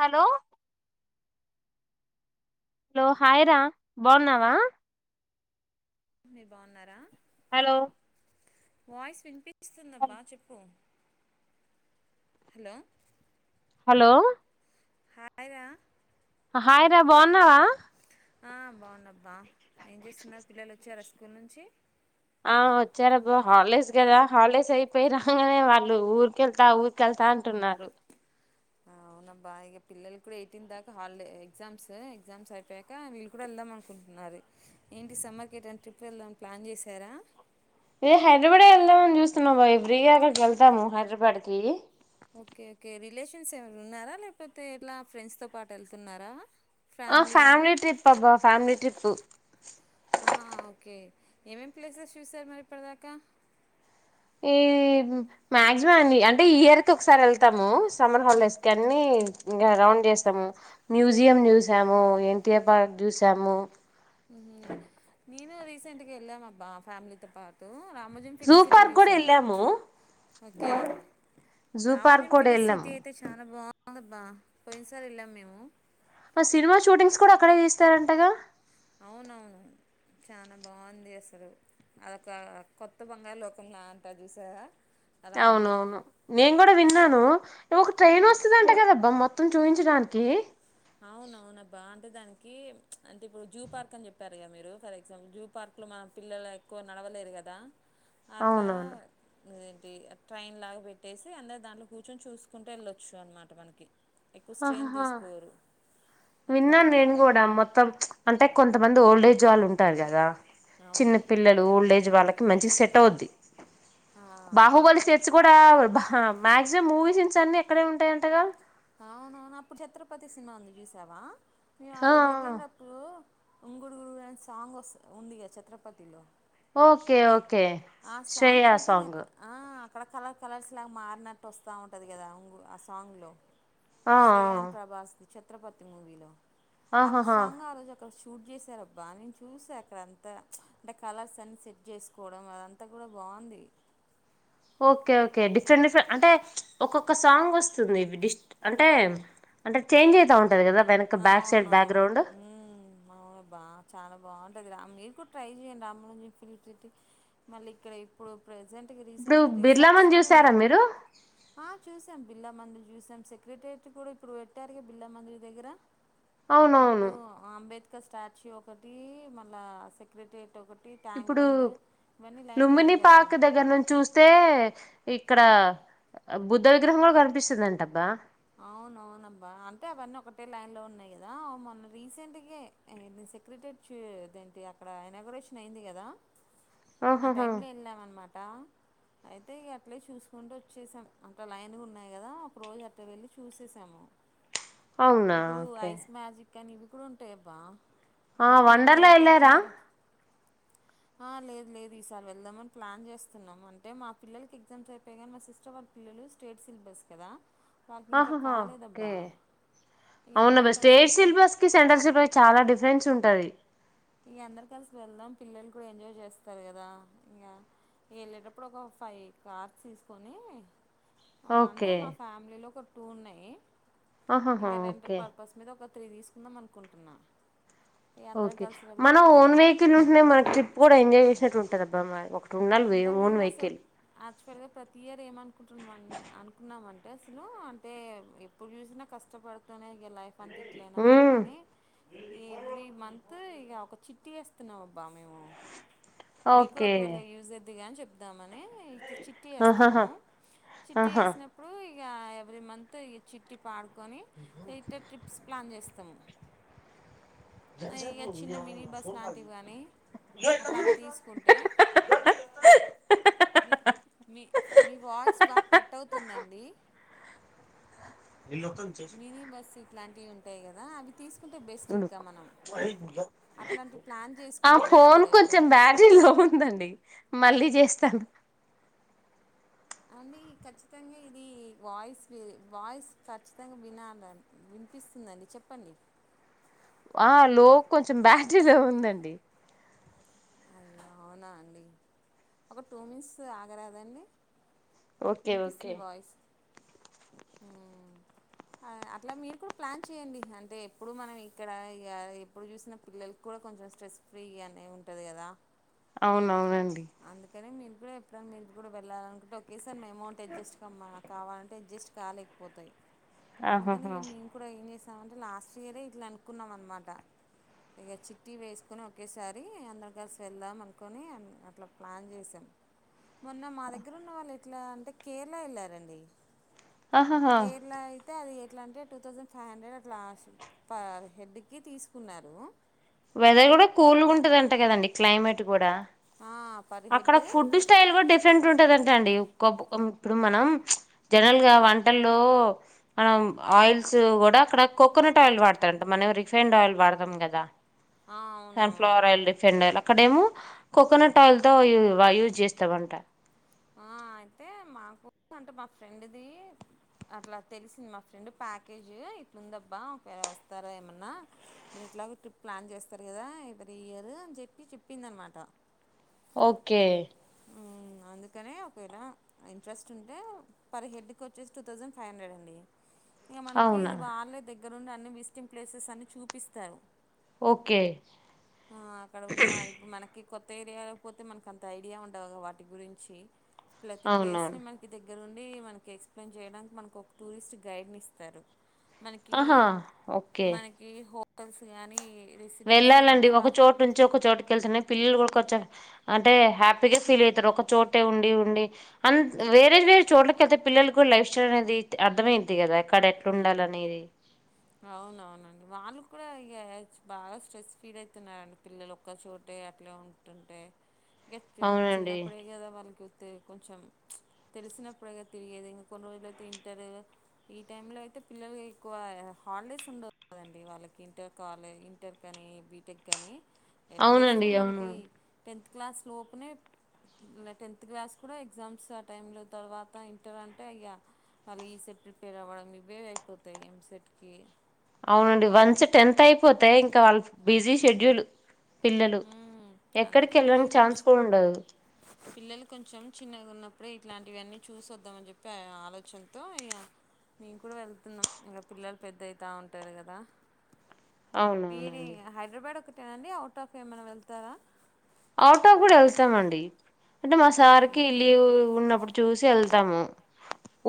Hello hello హాయిరా బాగున్నావా మీరు బాగున్నారా హలో వయిస్ వినిపిం స్తుందబ్బా చెప్పు హలో హలో హాయ్ రా హాయిరా బాగున్నావా ఆ బాగున్నాబ్బా ఏం చేస్తున్నారు పిల్లలు వచ్చే అ ర అప్పడు నుంచి ఆ వచ్చారబ్బా హాలిడేస్ కదా హాలిడేస్ అయిపోయి రాగానే వాళ్ళు ఊరికెళ్తా ఊరిక వెళ్తా అంటున్నారు అవునాబ్బా ఇక పిల్లలు కూడా ఎయిటీన్ దాకా హాలిడే ఎగ్జామ్స్ ఎగ్జామ్స్ అయిపోయాక వీళ్ళు కూడా వెళ్దాం అనుకుంటున్నారు ఏంటి సమ్మర్కి ఏటైనా ట్రిప్ వెళ్దాని ప్లాన్ చేశారా ఏ హైదరాబాడే వెళ్దామని చూస్తున్నా బా ఎ ఫ్రీగా అక్కకి వెళ్తాము హైదరాబాద్ కి ఓకే ఓకే రిలేషన్స్ ఎవరు ఉన్నారా లేకపోతే ఇలా ఫ్రెండ్స్ తో పాటు వెళ్తున్నారా ఆ ఫ్యామిలీ ట్రిప్ అబ్బా ఫ్యామిలీ ట్రిప్పు ఓకే ఏమేమి ప్లేసెస్ చూసారు మరి ఇప్పటిదాకా ఈ మాక్సిమం అంటే ఇయర్ కి ఒకసారి వెళ్తాము సమ్మర్ హాలిడేస్ కి అన్ని ఇం రౌండ్ చేస్తాము మ్యూజియం చూసాము ఎన్టీఆర్ పార్క్ చూసాము నను అ రీసెంట్గాళ్ళాంబ్బా ఫ్యామిలీతో పాటు రామోజిన్ ఫిలిం సిటీ చూసాం. ఓకే రామోజిమ్ ఫిలిమ్ సిటీ అయితే చాలా బాగు [unintelligible] దబ్బా పోయిన్సార్ వెళ్ళాము మేము ఆ సినిమా షూటింగ్స్ కూడా అక్కడే తీస్తారంటగా. అవునవును చాలా బాగుంది అసలు అదొక కొత్త బంగారు లోకం అంటా చూసాా అవున అవును నేను కూడా విన్న న్నాను ఒక ట్రైన్ వస్తుందింటే కదబ్బా మొత్తం చూయిించడానికి అవున అవునబ్బా అంటే దానికి ప్చ్ అంటే ఇప్పుడు జూ పార్క్ అని చెప్పారు గా మీరు ఫర్ ఎగ్జాంపుల్ జూ పార్క్ లో మన పిల్లలు ఎక్కువ నడవలేరు కదా. అట్లా ఇదేంటి ట్రైన్ లాగా పెట్టేసి అందరు దాంట్లో కూర్చొని చూసుకుంటే వెళ్ళొచ్చు అనమాట మనకి ఎక్కువ స్ట్రెన్ తీసుకోరు. విన్నాను నేను కూడా మొత్తం ప్చ్ అంటే కొంత వంద ఓల్డేజ్ వాళ్ళు ఉంటారు కదా చిన్న పిల్లలు ఓల్డేజ్ వాళ్ళక్ మంచిగా సెట్ అవుద్ది బాహుబలి సెట్స్ కూడా బాహ్ హా మాయాక్సిమం మూవీ సిన్స్ అన్ని ఎక్కడే ఉంటాయంటగా. అవునవును అప్పుడు ఛత్రపతి సినిమా ఉంది. చూసావా మేము ఆ రోజు వెళ్ళిన్డ్రప్పుడు ఉంగుడుగుడు సాంగ్ వస్త్ ఉంది గాద ఛత్రపతిలో ఓకే ఓకే ఆ సాంగ్ షూటింగ్ అక్క ఆ అక్కడ కలర్ కలర్స్ లాగా మారినట్టు వస్తూ ఉంటుంది కదా ఆ సాంగ్లో శ్రేయాన్ ప్రభాస్ ది ఛత్రపతి మూవీలో ఆ రోజు సాంగ్ ఆ రోజు క సూట్ చేసారబ్బా నేను చూసా అక్క అంతా అంటే కలర్స్ అన్ని సెట్ చేసుకోవడం అద అంతా కూడా బాగుంది. ఓకే ఓకే డిఫరెంట్ డిఫరెంట్ అంటే ఒక్కొక్క సాంగ్ వస్తుంది. ఇ డిస్ అంటే అంటే చేంజ్ అవుతా ఉంటుం ది. అవును ఊమ్ అవును బా చాలా బాగుం మీరు కూడా ట్రై చెయ్యడి రామోజీ ఫిలిమ్ సిటీ మళ్ళీ ఇక్కడ ఇప్పుడు ప్రె రీసెంట్గా రీసెంట్గా రిసార్ట్స్ కూడా ఉంది ఆ చూసాం బిర్లా మందిర్ చూసాం సెక్రటరియట్ కూడా ఇప్పుడు పెట్టారు బిర్లా మందిర్ దగ్గర ఇప్పుడు అంబేద్క ఇ స్టాచ్యూ ఒకటి మళ్ళ సెక్రటరీఎట్ ఇప్పుడు లుమ్మిని పార్క్ దగ్గర నుంచి చూస్తే ఇక్కడ బుద్ధ విగ్రహం కూడా కనిపిస్తుందంట కదా అవును అవునబ్బా అంటే అవన్నీ ఒకటే లైన్ లో ఉన్నాయి. కదా మొన్న రీసెంట్ గే నేను సెక్రటరేట్ ఏంటి అక్కడ ఇనాగరేషన్ అయింది కదా. ఆ టైమ్ లో ఇల్ అనమాట అయితే ఇగ అట్లే చూసుకుంటూ వచ్చేసాం అంతా లైన్గా ఉన్నాయి కదా ఒక రోజు అ అంత వెళ్ళి చూసేసాము అవునా ఓకే కానీ ఇవి కూడా ఉంటాయిబ్బా ఆ వండర్లా ఎల్లార ఆ లేదు లేదు ఈసారి వెళ్దామని ప్లాన్ చేస్తున్నాం. అంటే మా పిల్లలకి ఎగ్జామ్స్ అయిపోయి కానీ, మా సిస్టర్ వాళ్ళ పిల్లలు స్టేట్ సిలబస్ కదా. ఆహహా ఓకే అవునా బెస్టే ఏ సిలబస్ కి సెంట్రల్ సిలబస్ కి చాలా డిఫరెన్స్ ఉంట ఉంటది ఇక అందరు కలిసి వెళ్దాం. పిల్లలు కూడా ఎంజాయ్ చేస్తారు కదా. ఇంకా వెళ్ళేటప్పుడు ఒక ఫైవ్ కార్స్ తీసుకొని అంటే మా ఫ్యామిలీలో ఒకర్ టు ఉన్నాయి ఇంగ రెంటల్ పర్పస్ మీద ఒక ప్రతిది తీసుకుందాం అనుకుంటున్నా ఎ అందరం కలిసి మనం ఓన్ వెహికల్ ఉంటే మనకి ట్రిప్ కూడా ఎంజాయ్ చేసినట్టు ఉంటుంది అబ్బ ఒక అంటే మేము అసలు ఆచువల్గ ప్రతి ఇయర్ ఏమనుకుంటున్ వన్ అనుకున్నాం వన్ పేస్లు అంటే ఎప్పుడు చూసినా కష్టపడుతూనే ఇంక లైఫ్ అంత ఇట్లేనా అనుకొని ఎవ్రీ మంత్ తే యిగా ఒక చిట్టీ వేస్తున్నాం అబ్బా మేము మీ కూడా ఒకవేళ యూజ్ ఇదిగా చెప్దామని నే చిట్టి వేస్తాము చిట్టి వేసినప్పుడు ఇక ఎవ్రీ మంత్ ఈ చిట్టి పాడుతా కొని అయితే ట్రిప్స్ ప్లాన్ చేస్ త్తమ్ మీ మీ మీ వాయిస్ బాగా కట్ అవుతుందండి మినీ బస్ ఇట్లాంటివి ఉం ఉంటాయి కదా అవి తీసి ఆ ఫోన్ కొంచెం బ్యాటరీ లో ఉందండి మళ్ళీ చేస్తాను అండి ఖచ్చితంగా ఇది వాయిస్ వాయిస్ ఖచ్చితంగా వినాల వినిపిస్తుందిండి చెప్పండి ఆ లో కొంచెం బ్యాటరీలో ఉందండి అవునా అండి ఒక టూ మినిట్స్ ఆగరాదండి వినిపిస్తుంది వాయిస్ ఉ అట్లా మీరు కూడా ప్లాన్ చేయండి అంటే ఎప్పుడు మనం ఇక్కడ ఎప్పుడు చూసిన పిల్లలకి కూడా కొంచెం స్ట్రెస్ ఫ్రీ అనే ఉంటాది కదా అవునఅవునండి అందుకనే మీ మీరు ఎప్పుడైన మీరు కూడా వెల్లాలి అనుకుంటే ఒకే [inaudible] అమౌంట్ అజెస్ట్ కమ్మనాలి కావాలంటే అజెస్ట్ కాలేకపోతాయి అందుకని ఇక మేం కూడా ఏం చేస్తా అంటే లాస్ట్ ఇయరే ఇట్లా అనుకున్నాం అనమాట ఇక చిట్టి వేసుకొని ఒకేసారి అందరం కలిసి వెళ్దాం అనుకొని అట్లా ప్లాన్ చేశాను మొన్న మా దగ్గర ఉన్న వాళ్ళ ఇట్లా అంటే కేరళ వెళ్ళారండి కేరళఅయి అతే అది ఎట్లా అంటే టూ థౌసండ్ ఫైవ్ హండ్రెడ్ అట్లా పర్ హెడ్కి తీసుకున్నారు వెదర్ కూడా కూల్ ఉంటదంట కదండి క్లమేట్ కూడా అక్కడ ఫుడ్ స్టల్ కూడా డిఫరెంట్ ఉంటదంట అండి కొప్ మ్మ్ ఇప్పుడు మనం ప్చ్ జనరల్ గా వంటల్లో, మనం ఆయిల్స్ కూడా అక్కడ కోకోనట్ ఆయిల్ వాడతారంట, మనం రిఫైండ్ ఆయిల్ వాడతాం. కదా సన్ప్లావర్ ఆయిల్ డిఫెండ్ ఆయిల్ అక్కడేమో కోకోనట్ ఆయిల్ తో [unintelligible] యూజ్ చేస్తామంట ఆ అయితే మాకు అంటే మా ఫ్రెండ్ది అట్లా తెలిసింది. మా ఫ్రెండ్ ప్యాకేజ్ ఇట్లాందబ్బా ఒకే వస్తారా, ఏమన్నా మీరు ఎట్లాగ ట్రిప్ ప్లాన్ చేస్తారు. కదా ఇవరి ఇయర్ అని చెప్పి చెప్పింది. అనమాట ఓకే హ్మ్మ్ అందుకనే ఒకవేళ ఇంట్రెస్ట్ ఉంటే పర్ హెడ్కి వచ్చేసి టూ థౌసండ్ ఫైవ్ హండ్రెడ్ అండి. ఇక మనకి ఇది వాళ్ళే దగ్గర దగ్గర ఉండి అన్ని విజిటింగ్ ప్లేసెస్ అన్ని చూపిస్తారు ఓకే కొత్త ఏరియాలో పోతే మనకంత ఐడియా ఉండ్ అండగా వాటి గురించి ప్రతి ప్లేస్ ని మనకి దగ్గ దగ్గర ఉండి మనకి ఎక్స్ప్లెయిన్ చేయడానికి మనకు ఒక టూరిస్ట్ గైడ్ని ఇస్తారు మనకి మనకి హో తెలుసు గాని వెళ్ళాలండి ఒక చోటు నుంచి ఒక చోటుకి వెళ్తేనే పిల్లలు కూడా కొంచం అంటే హ్యాపీగా ఫీల్ అయితారు ఒక చోటే ఉండి ఉండి అంత వేరే వేరే చోట్లక వెళ్తే పిల్లలు కూడా లైఫ్ స్టైల్ అనేది అర్ధమయింది కదా అక్కడ ఎట్లా ఉండాలి అనేది. అవునవునండి వాళ్ళు కూడా ఇక బాగా స్ట్రెస్ ఫీల్ అవుతున్నారండి పిల్లలు ఒక్కచోటే అట్లా ఉంటుంటే. ఇ చిన్నప్పుడే కదా వాళ్ళకి వ తె కొంచెం తెలిసినప్పుడేగా తిరిగేది ఇంకా కొన్ని రోజులు అయితే ఇంటర్ ఈ టైంలో అయితే పిల్లలుగా ఎక్కువ హాలిడేస్ ఉండదు కదండి వాళ్ళకి ఇంటర్ కాలే ఇంటర్ కానీ బీటెక్ కానీ ఎట్లీస్ట్ మనకి టెన్త్ క్లాస్ లోపనే టెన్త్ క్లాస్ కూడా ఎగ్జామ్స్ ఆ టైంలో తర్వాత ఇంటర్ అంటే అయ్యా వాళ్ళీ ఈ సెట్ ప్రిపేర్ అవ్వడం ఇవే అయిపోతాయి ఎంసెట్కి. కి అవునండి వన్స్ టెన్త్ అయిపోతే ఇంకా వాళ్ళు బిజీ షెడ్యూల్ హ్మ్మ్ అందుకే పిల్లలు కొంచెం పిల్లలు కొంచెం చిన్నగా ఉన్న ఇప్పుడే ఇట్లాంటివన్నీ చూసవద్దామని చెప్పి ఆలోచనతో ఇగ మేము కూడా వెళ్తున్నాం ఇంక పిల్లలు పెద్దయత ఉంటారు కదా. మీరి హైదరాబాద్ ఒక కానీ ఔట్ ఆఫ్ ఏమైనా వెళ్తారా అవుట్ ఆఫ్ కూడా వెళ్తామండి అంటే మా సార్కి లీవ్ ఉన్నప్పుడు చూసి వెళ్ తాము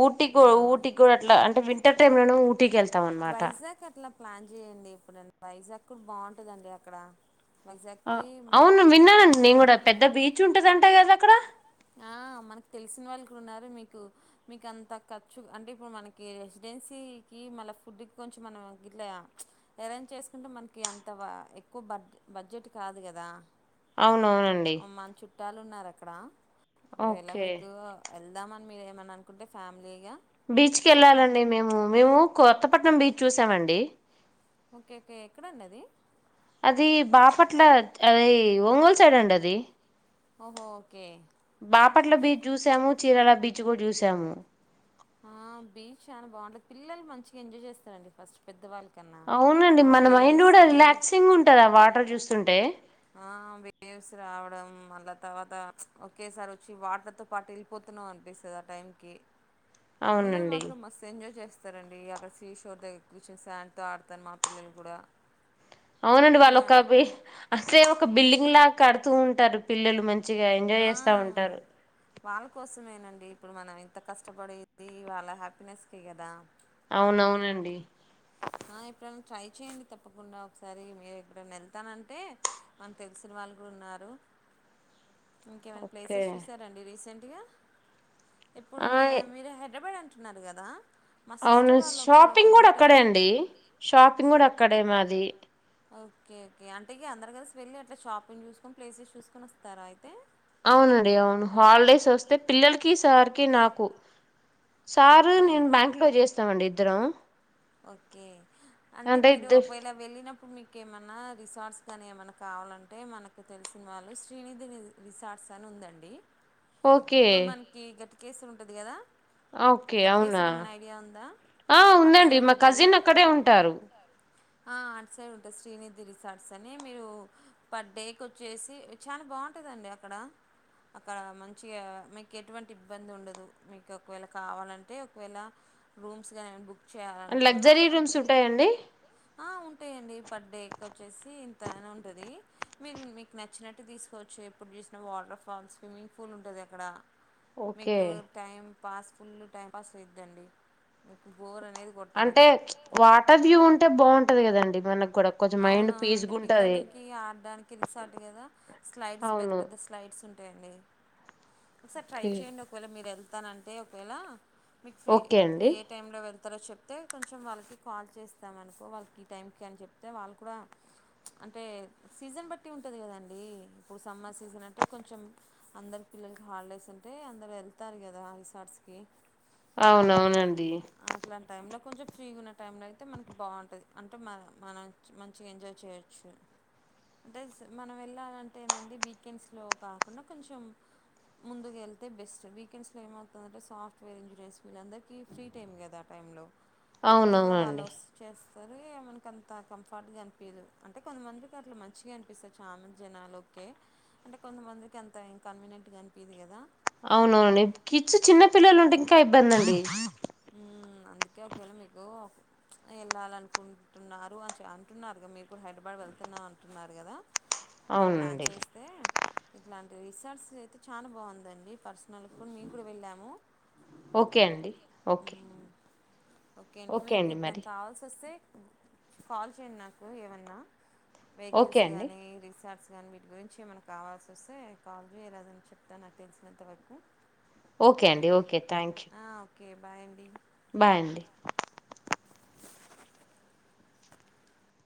ఊటి ఊటి కూడా అట్లా అంటే వి ఎ టైమ్ లో ఊటీ కి ఎల్ వైజాక్ అట్లా ప్లాన్ జేయండి ఎప్పుడన్న వైజాక్ కూడా బాగుంటదండి అక్కడ ఆ అవును విన్నానండి నేను కూడా పెద్ద బీచ్ ఉన్ అంట కదా అక్కడ ఆ మనకు తెలిసిన వాళ్ళు కూడా ఉన్నారు మీకు మీకు అంత ఖర్చు అంటే ఇప్పుడు మనకి రెసిడెన్సీకి మళ్ళ ఫుడ్కి కొంచెం మనం ఇట్లా అరేంజ్ చేసుకుంటే మనకి అంత ఎక్కువ బ బడ్జెట్ కాదు కదా. అవునవునండి చుట్టాలు ఉన్నార అక్కడ ఒకవేల మీకు వెళ్దామని మీరేమన్న అనుకుంటే ఫ్యామిలీ బీచ్ కెళ్ళాలండి మేము మేము కోత పట్నం బీచ్ చూసామండి ఓకే ఓకే ఎక్కడండి అది పట్ల అది ఒంగోల్ సైడ్ అండి అది ఓహో ఓకే బాపట్ల బీచ్ చూసాము చీరాల బీచ్ కూడా చూసాము ఆ బీచ్ చాన బాగుంటది పిల్లలు మంచిగా ఎంజాయ్ చేస్తారండి ఫస్ట్ పెద్దవాళ్ అవునండి మన మైండ్ కూడా రిలాక్సింగ్ ఉంటది వాటర్ చూస్తే స్తుంటే ఆ బేవ్స్ రావడం మళ్ళా తర్వాత ఒకేసారి వచ్చి వాటర్తో పాటు వెళ్ళిపోతున్నాం అనిపిస్తుంది ఆ టైం కి పిల్లలు మాత్రం మస్తు ఎంజాయ్ చేస్తారు సరే అడి అక్కడ సీషోర్ దగ్గర కూర్చుని శాన్తో ఆడతాను మా పిల్లలు కూడా అవునండి వాళ్ళొ ఒక అంటే ఒక బిల్డింగ్ లా కడుతూ ఉంటారు పిల్లలు మంచి మంచిగా ఎంజాయ్ చేస్తూ ఉంటారు వాళ్ళ కోసమేనండి ఇప్పుడు మనం ఇంత కష్టపడేది వాళ్ళ హ్యాపీనెస్కి కదా అవునవునండి ఇప్పుడ ట్రై చేయండి తప్పకుండా ఒకసారి మీరు ఎక్కడ వెళ్తానంటే మనకు తెలిసిన వాళ్ళు కూడా ఉన్నారు ఇంకేమైనా ప్లేసెస్ చూసారడి రీసెంట్ గడి ఇప్పుడు మీరు హైదరాబాద్ అండి అంటున్నారు కదా అవును షాపింగ్ కూడా అక్కడే అండి షాపింగ్ కూడా అక్కడే మాది ఓకే ఓకే అంటే ఇ అందరూ కలిసి వెళ్ళి అట్లా షాపింగ్ చూసుకొని ప్లేసెస్ చూసుకని వస్తారా అయితే అవునండి అవును హాలిడేస్ వస్తే పిల్లలకి సార్కి నాకు సారు నేను బ్యాంకులో చేస్తామండి ఇద్దరం ఓకే అంటే మీరు ఒకవేళ వెళ్ళినప్పుడు మీకు ఇక ఏమైన్నా రిసార్ట్స్ కానీ ఏమైన్నా కావాలంటే మనకు తెలిసిన వాళ్ళు శ్రీనిధి రిసార్ట్స్ అని ఉందండి ఇప్పుడు మనకి గట్ కేసు ఉంటది కదా ఓకే అవునా ఆ ఉందండి మా కజిన్ అక్కడే ఉంటారు ఆర్ట్స్ సైడ్ ఉంటుంది శ్రీనిధి రిసార్ట్స్ అని, మీరు పర్ డేకి వచ్చేసి చాలా బాగుంటుందండి అక్కడ, అక్కడ మంచిగా మీకు ఎటువంటి ఇబ్బంది ఉండదు మీకు ఒకవేళ కావాలంటే ఒకవేళ రూమ్స్ గా బుక్ చేయాలనుకున్నా అ ఉంటాయండి పర్ డేకి వచ్చేసి [unintelligible] నే ఉంటుంది, మీరు మీకు నచ్చినట్టు తీసుకోవచ్చు ఎప్పుడు చూసిన వాటర్ ఫాల్ స్విమ్మింగ్ పూల్ ఉంటుంది అక్కడ మీకు time pass full time pass అయద్దండి మీకు బోర్ అంటే వాటర్ వ్యూ ఉంటే బాగుంటది కదండి మన గడ అవునవునండి పిల్లలకి ఆడడానికి తెలిసాట్ కదా స్లైడ్స్ పెద్ద పెద్ద స్లైడ్స్ వస్తుంటాయండి సార్ ట్రై చేయండి ఒకవేళ మీరు వెళ్ తనంటే ఒకవేళ మీకు ఫ్రీ ఏ టైమ్ లో వెళ్ ఇరు చెప్తే కొంచెం వాళ్ళకి కాల్ చేస్తాం అనుకో వాళ్ళకి ఈ టైంకి అని చెప్ అంటే వాళ్ళు కూడా అంటే సీజన్ బట్టి ఉంటుంది కదండి, ఇప్పుడు సమ్మర్ సీజన్ అంటే కొంచెం అందరి పిల్లలకి హాలిడేస్ ఉంటే అందరు వెళ్తారు కదా రిసార్ట్స్కి అవునవునండి అట్లాంటి టైంలో కొంచెం ఫ్రీగా ఉన్న టైంలో అయితే మనకి బాగుంటది, అంటే మన మనం మంచిగా ఎంజాయ్ చేయవచ్చు, అంటే మనం వెళ్ళాలంటేనండి వీకెండ్స్లో కాకుండా, కొంచెం ముందుకు వెళ్తే బెస్ట్ వీకెండ్స్లో ఏమవుతుందంటే సాఫ్ట్వేర్ ఇంజనీర్స్ వీళ్ళందరి ఫ్రీ టైం కదా ఆ టైంలో ఎక్కువగా వాళ్ళు వ చే సరే మనకి అంత కంఫర్ట్గా అనిపదు, అంటే కొంతమందికి అట్లా మంచిగా అనిపిస్తది, చానా జనాలు కె, అంటే కొంతమందికి అంత ఇంక కాన్వీనియంట్గా అనిపదు కదా అవునవునండి కీచు చిన్న పిల్లలు ఉంటే ఇంకా ఇబ్బంద అండి అందుకే ఒకవేళ మీకు వెళ్ళాల అనుకుంటున్నారు అని చె అంటున్నారు కదా, మీరు కూడా హైదరాబాద్ వెళ్తున్నా అంటున్నారు కదా నేను ప్లాన్ చేస్తే ఇట్లాంటి రిసార్ట్స్ అయితే చాలా బాగుందండి, పర్సనల్ కూడా మీ కూడా వెళ్ళాము ఓకే అండి ఓకే ఓకే అండి మీకు ఎప్పుడ కావాల్సి వస్తే కాల్ చేయ్యండి నాకు ఏమన్నా వెహికల్స్ గానీ రిసార్ట్స్ కానీ వీటి గురించి ఏమన్నా కావాల్సి వస్తే, కాల్ చేయరాదని చెప్తాను నాకు తెలిసినంతవరకు ఓకే అండి okay thank you okay bye అండి బాయ్ అండి [inaudible]